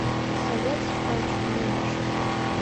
— Совет школыш тунемаш!